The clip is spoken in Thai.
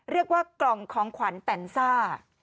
เรียกว่ากล่องของขวัญแต่นซ่า